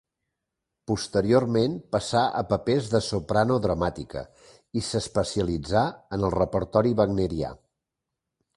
Posteriorment passà a papers de soprano dramàtica i s'especialitzà en el repertori wagnerià.